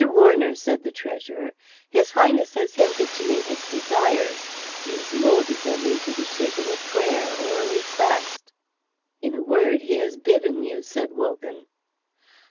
Warner," said the treasurer, "his Highness has hinted to me his desires; he has moulded them into the shape of a prayer or a request." "In a word, he has bidden you," said Wogan.